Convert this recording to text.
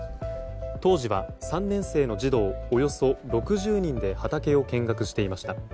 当時は３年生の児童およそ６０人で畑を見学していました。